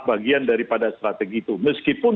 bagian daripada strategi itu meskipun